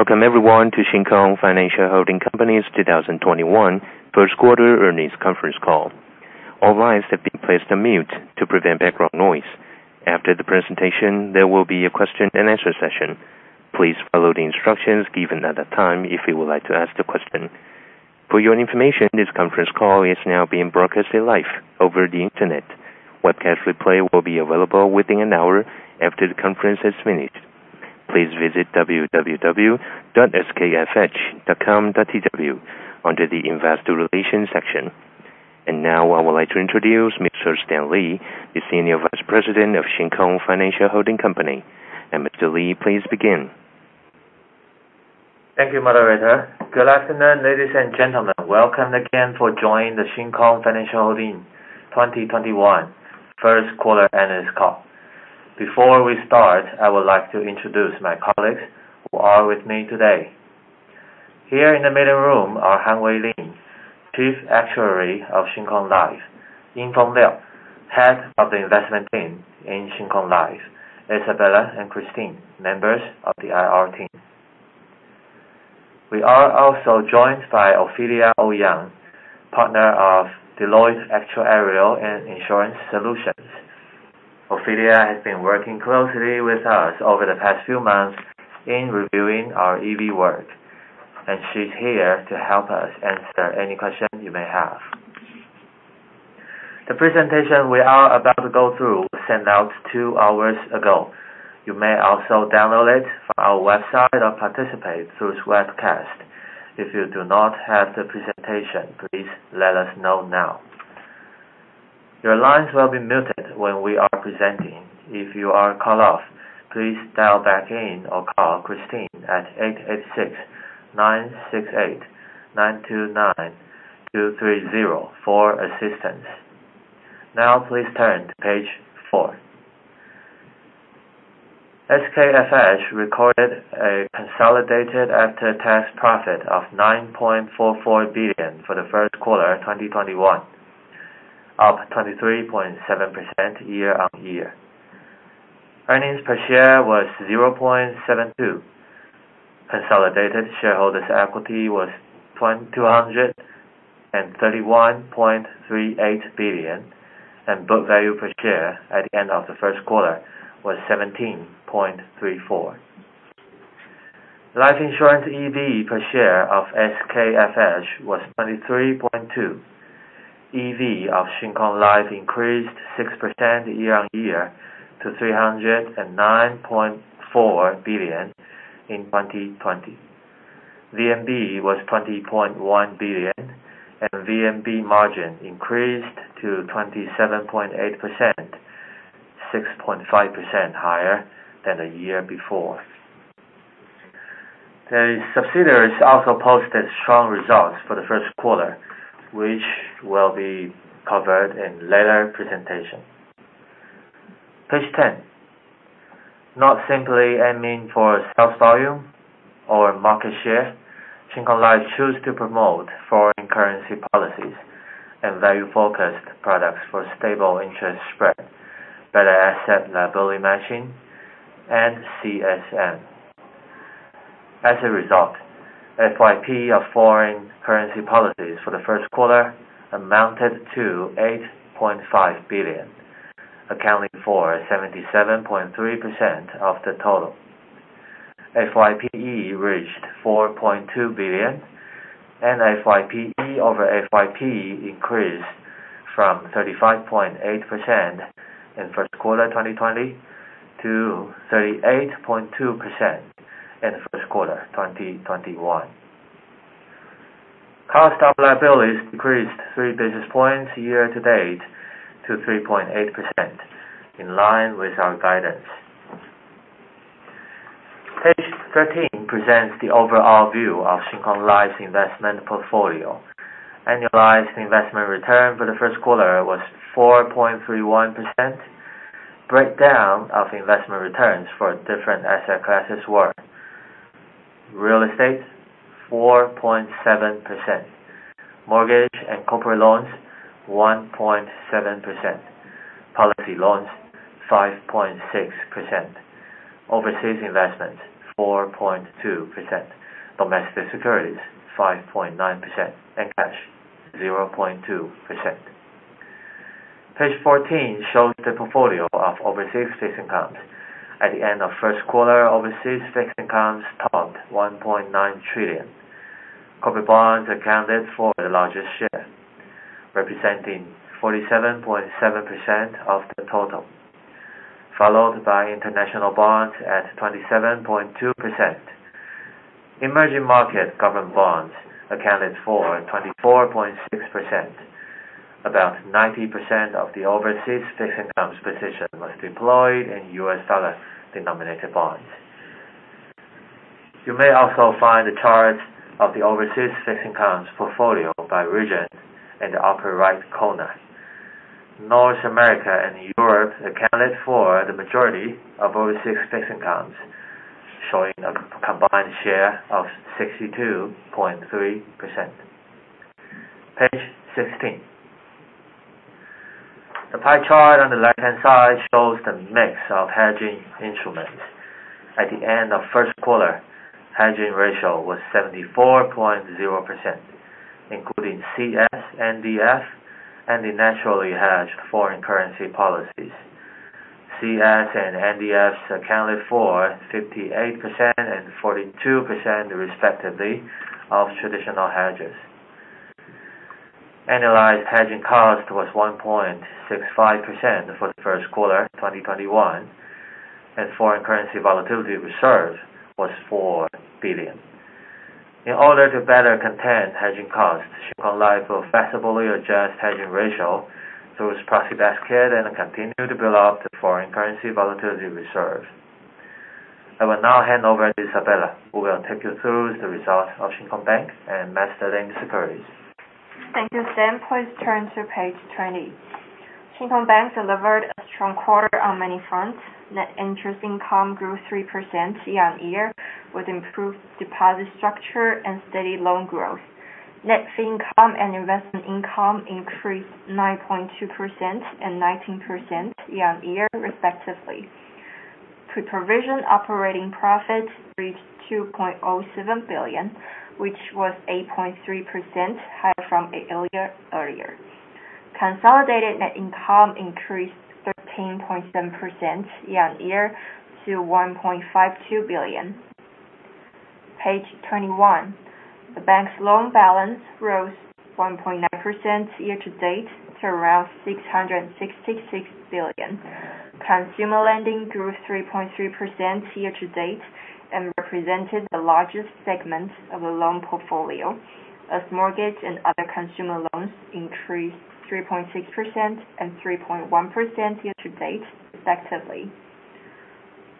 Welcome everyone to Shin Kong Financial Holding Company's 2021 first quarter earnings conference call. All lines have been placed on mute to prevent background noise. After the presentation, there will be a question-and-answer session. Please follow the instructions given at the time if you would like to ask a question. For your information, this conference call is now being broadcasted live over the internet. Webcast replay will be available within an hour after the conference has finished. Please visit www.skfh.com.tw under the investor relations section. Now I would like to introduce Mr. Stan Lee, the Senior Vice President of Shin Kong Financial Holding Company. Mr. Lee, please begin. Thank you, moderator. Good afternoon ladies and gentlemen? Welcome again for joining the Shin Kong Financial Holding 2021 first quarter earnings call. Before we start, I would like to introduce my colleagues who are with me today. Here in the meeting room are Han-Wei Lin, Chief Actuary of Shin Kong Life, En-Fon Liao, Head of the investment team in Shin Kong Life, Isabella and Christine, members of the IR team. We are also joined by Ophelia Au Young, Partner of Deloitte Actuarial & Insurance Solutions. Ophelia has been working closely with us over the past few months in reviewing our EV work, and she's here to help us answer any questions you may have. The presentation we are about to go through was sent out two hours ago. You may also download it from our website or participate through webcast. If you do not have the presentation, please let us know now. Your lines will be muted when we are presenting. If you are cut off, please dial back in or call Christine at eight eight six-nine six eight-nine two nine-two three zero for assistance. Please turn to page four. SKFH recorded a consolidated after-tax profit of 9.44 billion for the first quarter 2021, up 23.7% year-on-year. Earnings per share was 0.72. Consolidated shareholders' equity was 231.38 billion. Book value per share at the end of the first quarter was 17.34. Life insurance EV per share of SKFH was 23.2. EV of Shin Kong Life increased 6% year-on-year to 309.4 billion in 2020. VNB was 20.1 billion. VNB margin increased to 27.8%, 6.5% higher than the year before. The subsidiaries also posted strong results for the first quarter, which will be covered in later presentation. Page 10. Not simply aiming for sales volume or market share, Shin Kong Life choose to promote foreign currency policies and value-focused products for stable interest spread, better asset liability matching, and CSM. As a result, FYP of foreign currency policies for the first quarter amounted to 8.5 billion, accounting for 77.3% of the total. FYPE reached 4.2 billion, and FYPE over FYP increased from 35.8% in first quarter 2020 to 38.2% in first quarter 2021. Cost of liabilities decreased three basis points year to date to 3.8%, in line with our guidance. Page 13 presents the overall view of Shin Kong Life's investment portfolio. Annualized investment return for the first quarter was 4.31%. Breakdown of investment returns for different asset classes were real estate 4.7%, mortgage and corporate loans 1.7%, policy loans 5.6%, overseas investments 4.2%, domestic securities 5.9%, and cash 0.2%. Page 14 shows the portfolio of overseas fixed accounts. At the end of first quarter, overseas fixed accounts topped NTD 1.9 trillion. Corporate bonds accounted for the largest share, representing 47.7% of the total, followed by international bonds at 27.2%. Emerging market government bonds accounted for 24.6%. About 90% of the overseas fixed accounts position was deployed in U.S. dollar denominated bonds. You may also find a chart of the overseas fixed accounts portfolio by region in the upper right corner. North America and Europe accounted for the majority of overseas fixed accounts, showing a combined share of 62.3%. Page 16. The pie chart on the left-hand side shows the mix of hedging instruments. At the end of first quarter, hedging ratio was 74.0%, including CS, NDF, and the naturally hedged foreign currency policies. CS and NDFs accounted for 58% and 42%, respectively, of traditional hedges. Annualized hedging cost was 1.65% for the first quarter 2021, and foreign currency volatility reserves was NTD 4 billion. In order to better contain hedging costs, Shin Kong Life will flexibly adjust hedging ratio through its proxy basket and continue to build up the foreign currency volatility reserves. I will now hand over to Isabella, who will take you through the results of Shin Kong Bank and MasterLink Securities. With that, please turn to page 20. Shin Kong Bank delivered a strong quarter on many fronts. Net interest income grew 3% year-on-year, with improved deposit structure and steady loan growth. Net fee income and investment income increased 9.2% and 19% year-on-year respectively. Pre-provision operating profit reached 2.07 billion, which was 8.3% higher from the year earlier. Consolidated net income increased 13.7% year-on-year to 1.52 billion. Page 21. The bank's loan balance rose 1.9% year-to-date to around 666 billion. Consumer lending grew 3.3% year-to-date and represented the largest segment of the loan portfolio as mortgage and other consumer loans increased 3.6% and 3.1% year-to-date respectively.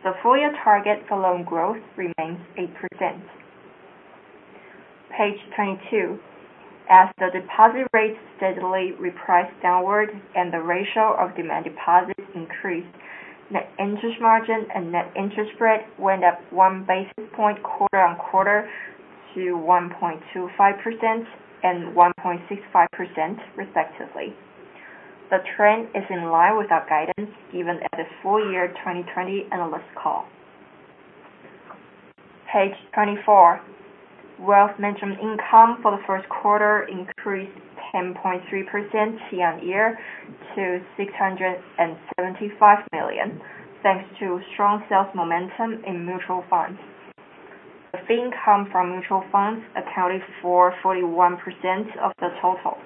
The full year target for loan growth remains 8%. Page 22. As the deposit rates steadily reprice downwards and the ratio of demand deposits increased, net interest margin and net interest spread went up one basis point quarter-on-quarter to 1.25% and 1.65% respectively. The trend is in line with our guidance given at the full year 2020 analyst call. Page 24. Wealth management income for the first quarter increased 10.3% year-on-year to 675 million, thanks to strong sales momentum in mutual funds. Fee income from mutual funds accounted for 41% of the total.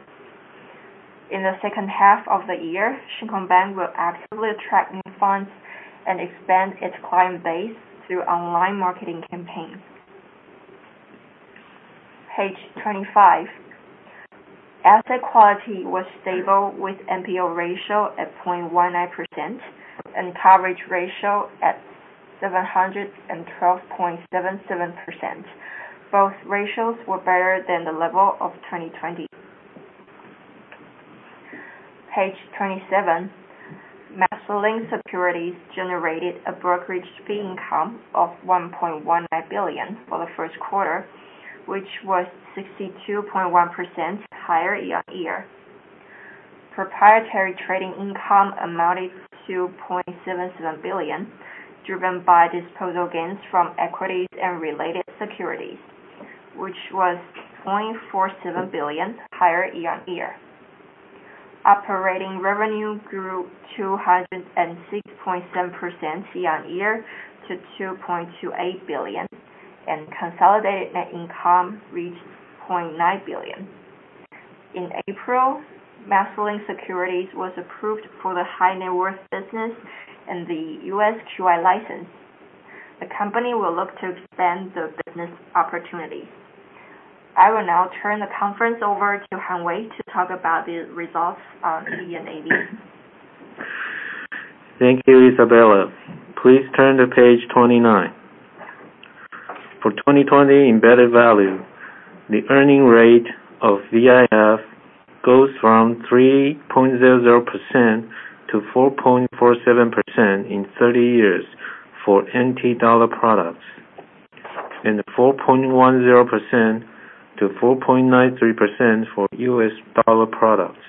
In the second half of the year, Shin Kong Bank will actively attract new funds and expand its client base through online marketing campaigns. Page 25. Asset quality was stable with NPL ratio at 0.19% and coverage ratio at 712.77%. Both ratios were better than the level of 2020. Page 27. MasterLink Securities generated a brokerage fee income of 1.19 billion for the first quarter, which was 62.1% higher year-on-year. Proprietary trading income amounted to 2.77 billion, driven by disposal gains from equities and related securities, which was NTD 2.47 billion higher year-on-year. Operating revenue grew 206.7% year-on-year to 2.28 billion, and consolidated net income reached 0.9 billion. In April, MasterLink Securities was approved for the high net worth business and the U.S. QI license. The company will look to expand the business opportunities. I will now turn the conference over to Han-Wei Lin to talk about the results of EV and AV. Thank you, Isabella. Please turn to page 29. For 2020 embedded value, the earning rate of VIF goes from 3.00% to 4.47% in 30 years for NT dollar products, and 4.10% to 4.93% for U.S. dollar products.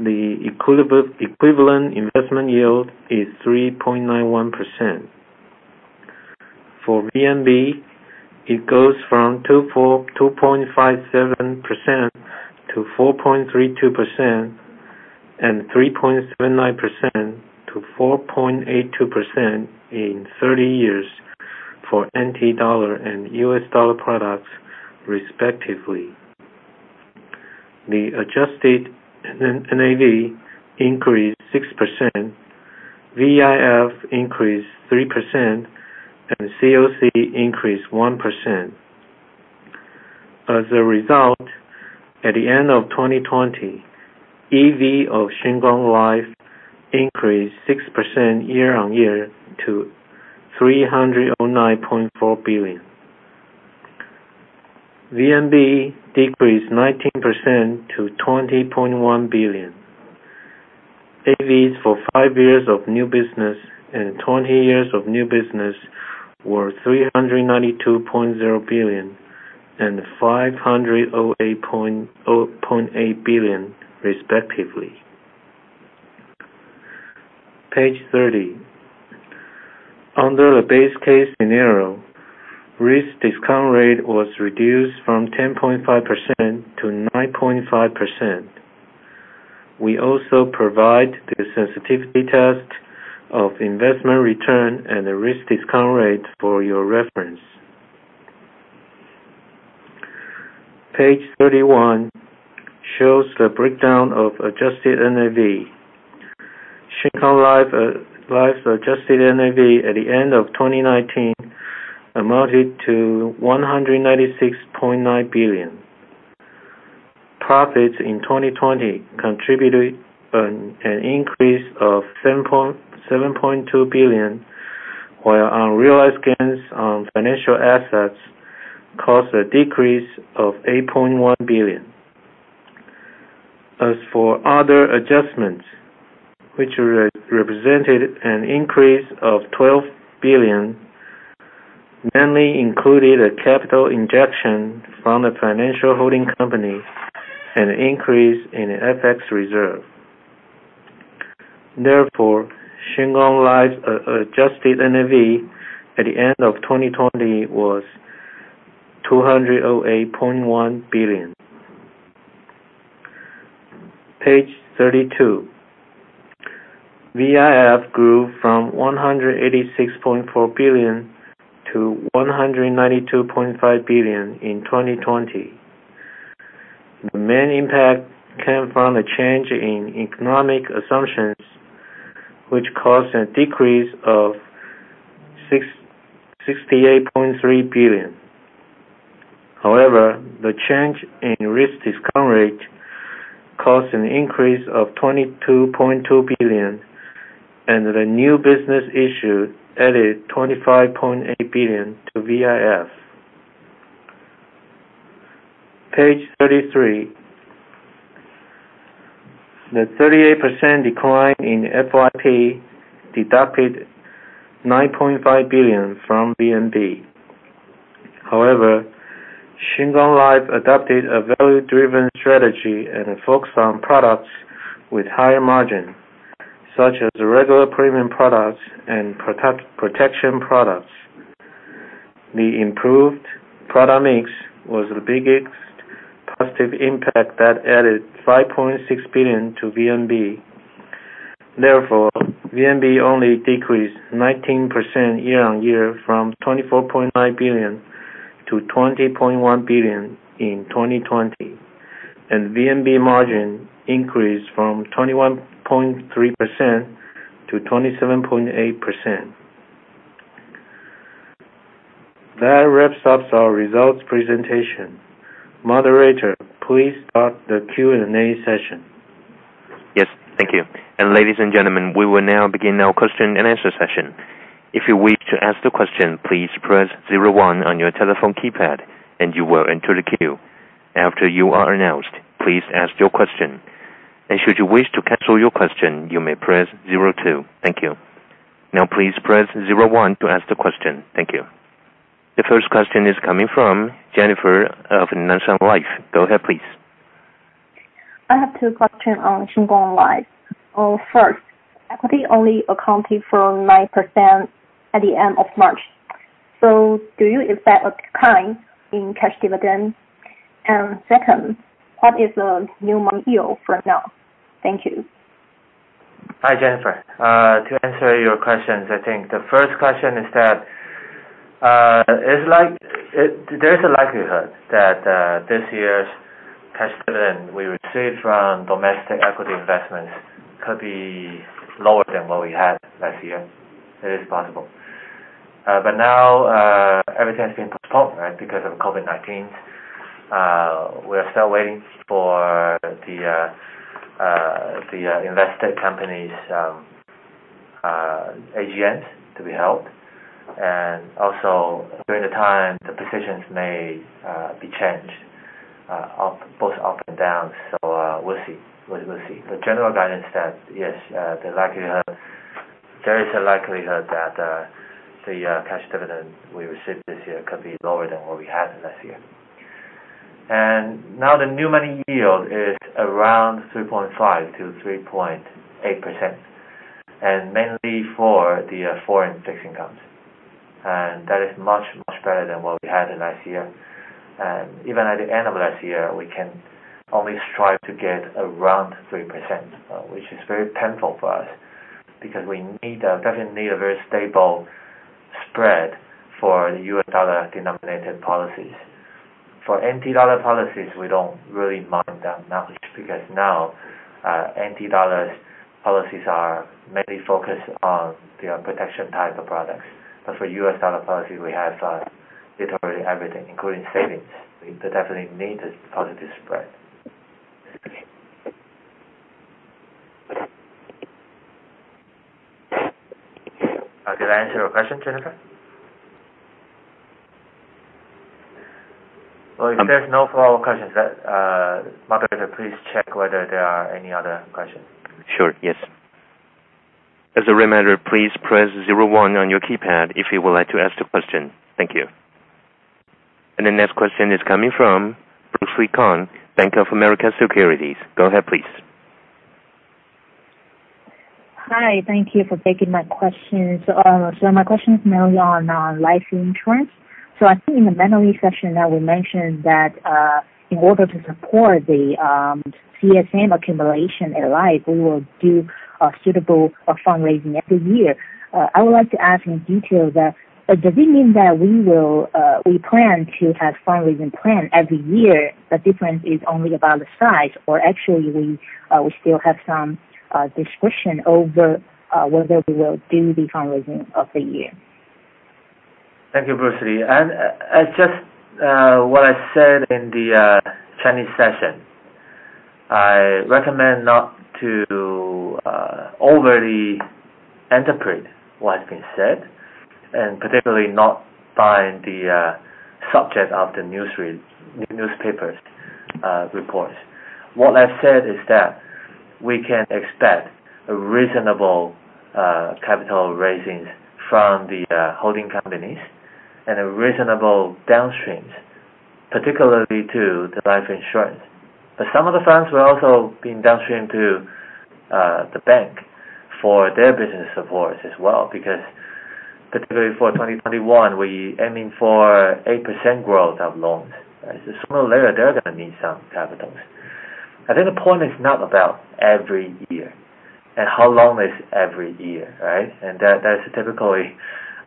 The equivalent investment yield is 3.91%. For VNB, it goes from 2.57% to 4.32%, and 3.79% to 4.82% in 30 years for NT dollar and US dollar products respectively. The adjusted NAV increased 6%, VIF increased 3%, and COC increased 1%. As a result, at the end of 2020, EV of Shin Kong Life increased 6% year-on-year to 309.4 billion. VNB decreased 19% to 20.1 billion. AVs for five years of new business and 20 years of new business were 392.0 billion and 508.8 billion respectively. Page 30. Under the base case scenario, risk discount rate was reduced from 10.5% to 9.5%. We also provide the sensitivity test of investment return and the risk discount rates for your reference. Page 31 shows the breakdown of adjusted NAV. Shin Kong Life adjusted NAV at the end of 2019 amounted to 196.9 billion. Profits in 2020 contributed an increase of 7.2 billion, while unrealized gains on financial assets caused a decrease of 8.1 billion. As for other adjustments, which represented an increase of 12 billion, mainly included a capital injection from the financial holding company and an increase in FX reserve. Therefore, Shin Kong Life adjusted NAV at the end of 2020 was TWD 208.1 billion. Page 32. VIF grew from 186.4 billion to 192.5 billion in 2020. The main impact came from the change in economic assumptions, which caused a decrease of 68.3 billion. The change in risk discount rate caused an increase of 22.2 billion, and the new business issue added 25.8 billion to VIF. Page 33. The 38% decline in FYP deducted 9.5 billion from VNB. However, Shin Kong Life adopted a value-driven strategy and focused on products with high margin, such as regular premium products and protection products. The improved product mix was the biggest positive impact that added 5.6 billion to VNB. VNB only decreased 19% year-on-year from 24.5 billion to 20.1 billion in 2020, and VNB margin increased from 21.3% to 27.8%. That wraps up our results presentation. Moderator, please start the Q&A session. Yes, thank you. Ladies and gentlemen, we will now begin our question-and-answer session. If you wish to ask a question press zero one on your telephone keypad, and you will enter queue and wait to be announced to ask your question. The first question is coming from Jennifer of National Life. Go ahead, please. I have two question on Shin Kong Life. First, equity only accounted for 9% at the end of March. Do you expect a decline in cash dividend? Second, what is the new money yield right now? Thank you. Hi, Jennifer. To answer your questions, I think the first question is that there's a likelihood that this year's cash dividend we received from domestic equity investments could be lower than what we had last year. It is possible. Now everything's been postponed because of COVID-19. We are still waiting for the invested company's AGMs to be held, also during the time, the positions may be changed, both up and down. We'll see. The general guidance that, yes, there is a likelihood that the cash dividend we receive this year could be lower than what we had last year. Now the new money yield is around 3.5%-3.8%, mainly for the foreign section accounts. That is much, much better than what we had last year. Even at the end of last year, we can only strive to get around 3%, which is very painful for us because we definitely need a very stable spread for U.S. dollar-denominated policies. For NT dollar policies, we don't really mind that much because now NT dollar policies are mainly focused on the protection type of products. That's why U.S. dollar policy we have virtually everything, including savings. We definitely need the positive spread. Did I answer your question, Jennifer? Well, if there's no follow-up questions, moderator, please check whether there are any other questions. Sure. Yes. As a reminder, please press zero one on your keypad if you would like to ask a question. Thank you. The next question is coming from Bruce Lee, Bank of America Securities. Go ahead, please. Hi. Thank you for taking my questions. My question is mainly on life insurance. I think in the Mandarin session that we mentioned that in order to support the CSM accumulation at life, we will do a suitable fundraising every year. I would like to ask in detail that does it mean that we plan to have fundraising plan every year? The difference is only about the size, or actually we still have some discretion over whether we will do the fundraising of the year. Thank you, Bruce Lee. It's just what I said in the Chinese session. I recommend not to overly interpret what's been said, and particularly not by the subject of the newspapers' reports. What I've said is that we can expect reasonable capital raisings from the holding companies and reasonable downstreams, particularly to the life insurance. Some of the funds will also be downstreamed to the bank for their business support as well, because particularly for 2021, we're aiming for 8% growth of loans. Sooner or later, they're going to need some capital. I think the point is not about every year and how long is every year, right? That's typically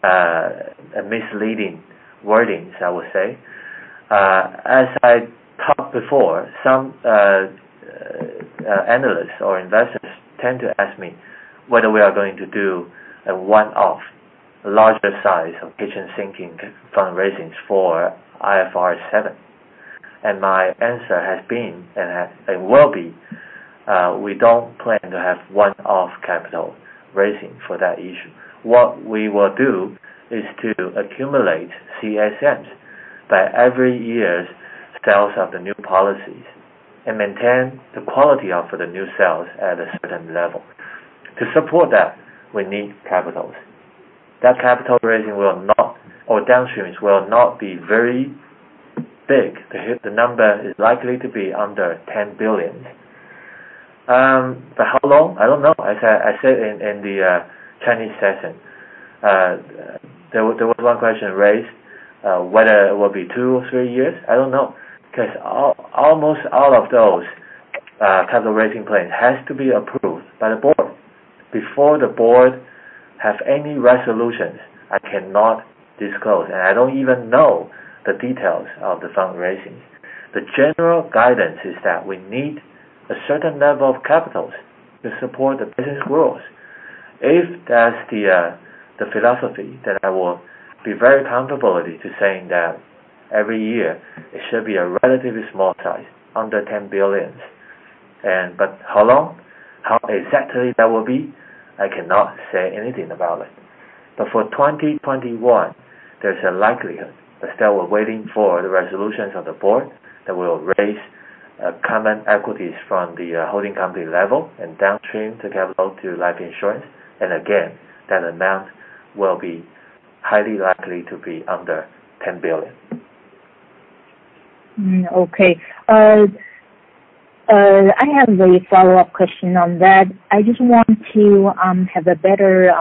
a misleading wording, I would say. As I talked before, some analysts or investors tend to ask me whether we are going to do a one-off larger size of kitchen sinking fundraisings for IFRS 17. My answer has been, and will be, we don't plan to have one-off capital raising for that issue. What we will do is to accumulate CSMs by every year's sales of the new policies and maintain the quality of the new sales at a certain level. To support that, we need capitals. That capital raising or downstreams will not be very big because the number is likely to be under 10 billion. How long? I don't know. As I said in the Chinese session. There was one question raised whether it will be two or three years. I don't know, because almost all of those capital raising plan has to be approved by the Board. Before the Board have any resolution, I cannot disclose, and I don't even know the details of the fundraising. The general guidance is that we need a certain level of capitals to support the business growth. If that's the philosophy, I will be very comfortable to saying that every year it should be a relatively small size, under 10 billion. How long? How exactly that will be? I cannot say anything about it. For 2021, there's a likelihood that we're waiting for the resolutions of the Board that will raise common equities from the holding company level and downstream to life insurance. Again, that amount will be highly likely to be under 10 billion. Okay. I have a follow-up question on that. I just want to have a better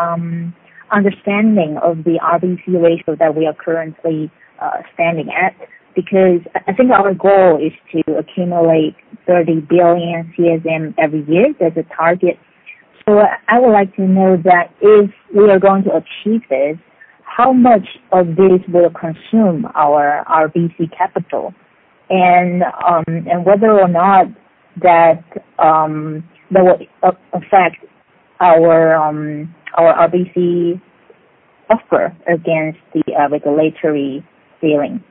understanding of the RBC ratio that we are currently standing at, because I think our goal is to accumulate 30 billion CSM every year as a target. I would like to know that if we are going to achieve this, how much of this will consume our RBC capital and whether or not that will affect our RBC buffer against the regulatory ceiling.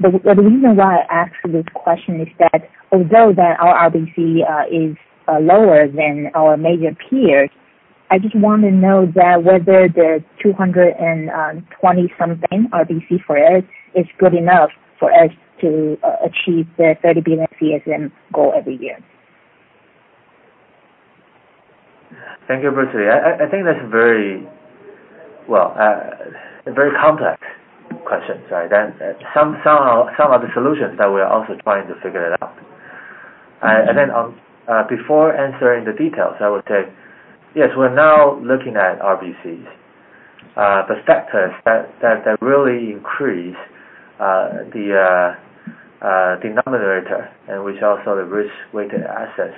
The reason why I asked for this question is that although that our RBC is lower than our major peers, I just want to know that whether the 220-something RBC for us is good enough for us to achieve the 30 billion CSM goal every year. Thank you, Bruce Lee. I think that's a very complex question. Some of the solutions that we're also trying to figure it out. Before answering the details, I would say yes, we're now looking at RBCs. The factors that really increase the denominator and which also the risk-weighted assets.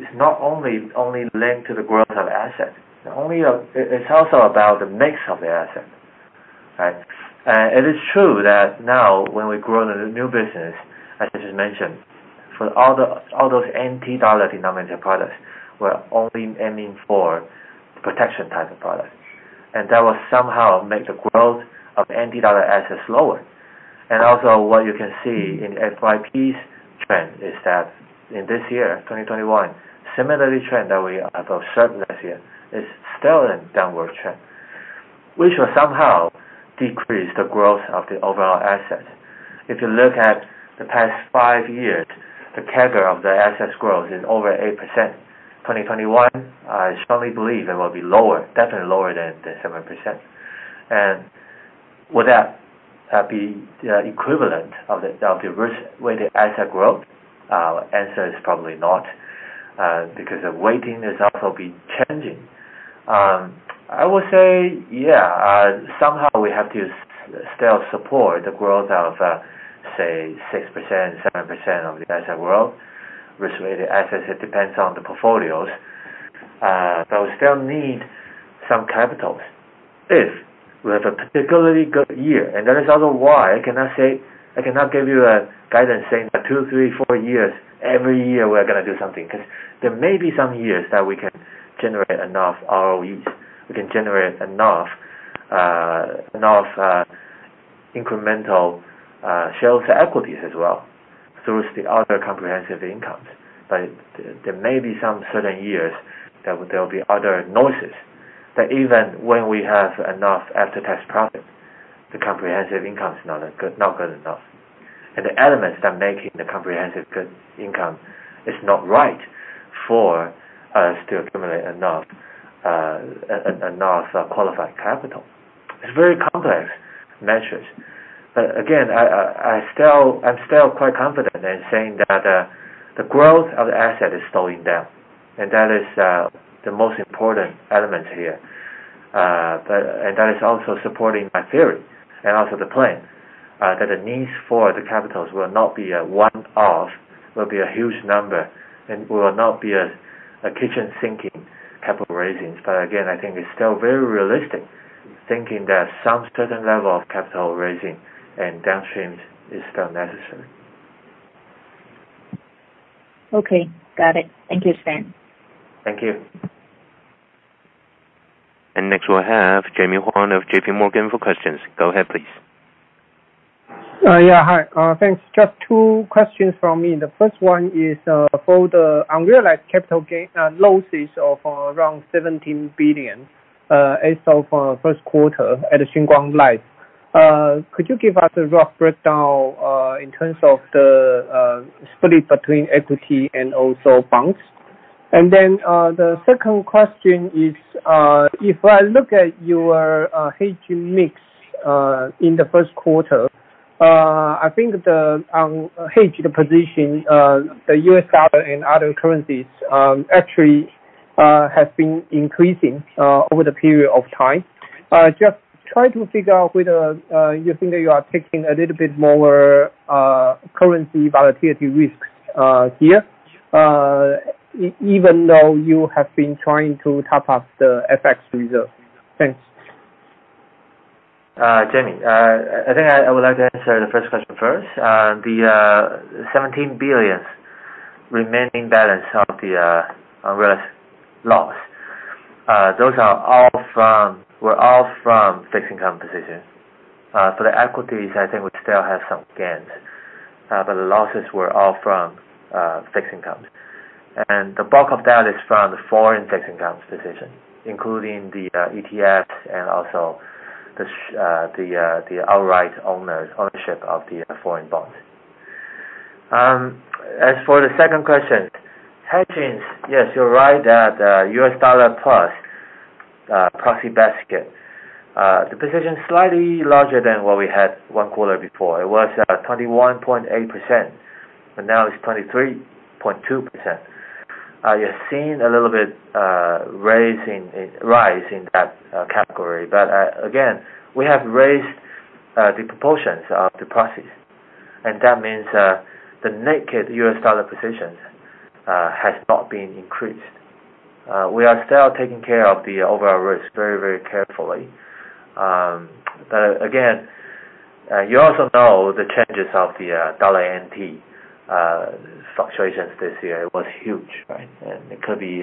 It's not only linked to the growth of assets. It's also about the mix of the assets. Right? It is true that now when we grow the new business, as you mentioned, for all those NT dollar denominated products, we're only aiming for protection type of products. That will somehow make the growth of NT dollar assets lower. What you can see in FYP's trend is that in this year, 2021, similarly trend that we observed last year is still in downward trend, which will somehow decrease the growth of the overall asset. If you look at the past five years, the CAGR of the assets growth is over 8%. 2021, I strongly believe it will be lower, definitely lower than the 7%. Would that be the equivalent of the asset growth? Answer is probably not, because the weighting is also be changing. I would say, somehow we have to still support the growth of, say, 6%, 7% of the asset growth, which way the asset is depends on the portfolios. We still need some capitals if we have a particularly good year. That is also why I cannot give you a guidance saying that two, three, four years, every year we're going to do something. There may be some years that we can generate enough ROEs. We can generate enough incremental shares equities as well through the other comprehensive incomes. There may be some certain years that there'll be other noises that even when we have enough after-tax profit, the comprehensive income is not good enough. The elements that making the comprehensive income is not right for us to accumulate enough qualified capital. It's very complex metrics. Again, I'm still quite confident in saying that the growth of the asset is slowing down, and that is the most important element here. That is also supporting my theory, and also the plan, that the need for the capitals will not be a one-off. It will be a huge number, and will not be a kitchen sinking capital raising. Again, I think it's still very realistic thinking that some certain level of capital raising and downstreams is still necessary. Okay, got it. Thank you, Stan Lee. Thank you. Next we'll have Jaime Huang of JPMorgan for questions. Go ahead, please. Yeah, hi. Thanks. Just two questions from me. The first one is for the unrealized capital gain losses of around 17 billion as of first quarter at Shin Kong Life. Could you give us a rough breakdown in terms of the split between equity and also bonds? The second question is, if I look at your hedging mix in the first quarter, I think the hedged position, the U.S. dollar and other currencies actually has been increasing over the period of time. Just try to figure out whether you think that you are taking a little bit more currency volatility risk here, even though you have been trying to top up the FX reserve. Thanks. Jaime, I think I would like to answer the first question first. The 17 billion remaining balance of the unrealized loss. Those were all from fixed income positions. For the equities, I think we still have some gains, the losses were all from fixed income. The bulk of that is from the foreign fixed income position, including the ETFs and also the outright ownership of the foreign bonds. As for the second question, hedgings, yes, you're right that U.S. dollar plus proxy basket. The position slightly larger than what we had one quarter before. It was 21.8%, but now it's 23.2%. You're seeing a little bit rise in that category. Again, we have raised the proportions of the proxies, and that means the naked U.S. dollar positions has not been increased. We are still taking care of the overall risk very carefully. Again, you also know the changes of the dollar/yen fluctuations this year was huge. Right? It could be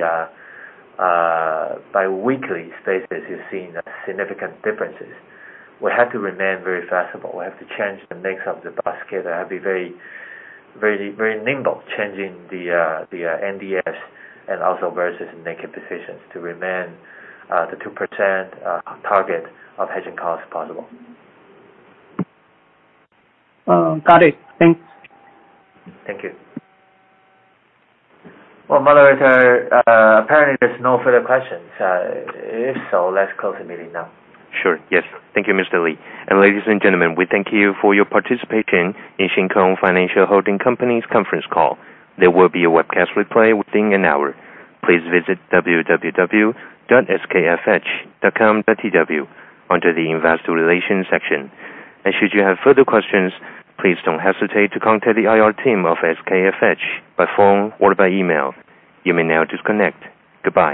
bi-weekly, space-based, you're seeing significant differences. We have to remain very flexible. We have to change the mix of the basket. I have to be very nimble changing the NDFs and also versus making decisions to remain the 2% target of hedging policy as possible. Got it. Thanks. Thank you. Well, by the way, apparently there's no further questions. If so, let's call the meeting now. Sure, yes. Thank you, Mr. Lee. Ladies and gentlemen, we thank you for your participating in Shin Kong Financial Holding Company's conference call. There will be a webcast replay within an hour. Please visit www.skfh.com.tw under the investor relations section. Should you have further questions, please don't hesitate to contact the IR team of SKFH by phone or by email, you may now disconnect. Goodbye